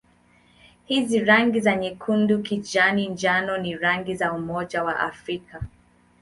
Hizi rangi za nyekundu-kijani-njano ni rangi za Umoja wa Afrika.